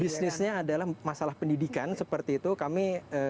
bisnisnya adalah masalah pendidikan seperti itu kami